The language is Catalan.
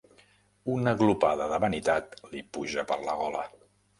Una glopada de vanitat li puja per la gola.